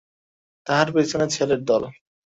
তাহার পিছনে ছেলের দল।